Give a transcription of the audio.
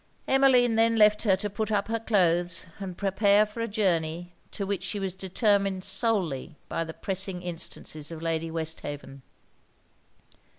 Emmeline then left her to put up her cloaths and prepare for a journey to which she was determined solely by the pressing instances of Lady Westhaven.